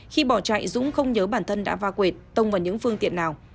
khi bỏ chạy dũng không nhớ bản thân đã va quệt tông vào những phương tiện nào